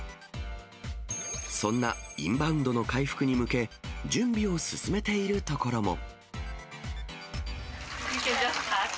そんなインバウンドの回復に向け、準備を進めている所も。